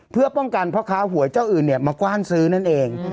เพื่อป้องกันพ่อค้าหวยเจ้าอื่นมากว้านซื้อนั่นเอง